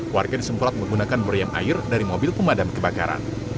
warga disemprot menggunakan meriam air dari mobil pemadam kebakaran